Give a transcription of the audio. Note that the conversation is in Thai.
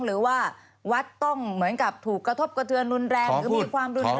หรือว่าวัดต้องเหมือนกับถูกกระทบกระเทือนรุนแรงหรือมีความรุนแรง